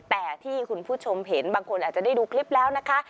แต่ที่คุณผู้ชมเห็นบางคนอาจจะได้ดูคลิปแล้วนะคะ